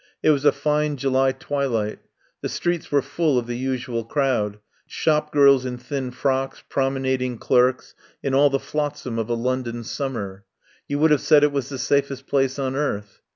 It was a fine July twilight. The streets were full of the usual crowd, shop girls in thin frocks, promenading clerks, and all the flot sam of a London summer. You would have said it was the safest place on earth.